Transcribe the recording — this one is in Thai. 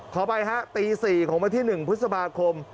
ขออภัยฮะตี๔ของวันที่๑พฤษภาคม